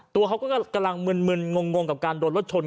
ตัวเขาก็กำลังมึนงงกับการโดนรถชน